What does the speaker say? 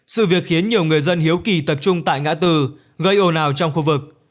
sự việc khiến nhiều người dân hiếu kỳ tập trung tại ngã tư gây ồn ào trong khu vực